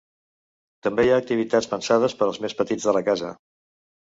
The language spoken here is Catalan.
També hi ha activitats pensades per als més petits de la casa.